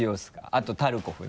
あとタルコフね。